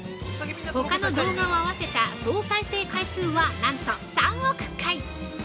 ほかの動画を合わせた総再生回数は、何と３億回！